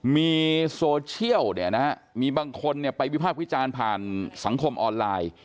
มีโซเชียลนะมีบางคนไปวิภาพขี้จานผ่านสังคมออนไลน์